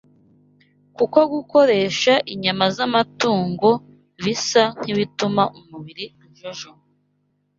kuko gukoresha inyama z’amatungo bisa nk’ibituma umubiri ujojoma